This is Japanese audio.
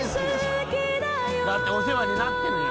だってお世話になってるんやから。